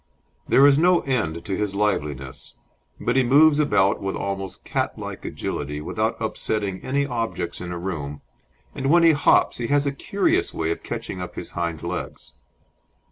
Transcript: There is no end to his liveliness, but he moves about with almost catlike agility without upsetting any objects in a room, and when he hops he has a curious way of catching up his hind legs.